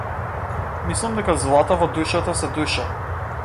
Мислам дека злата во душата се душа.